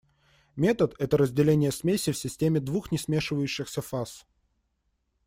Метод – это разделение смеси в системе двух несмешивающихся фаз.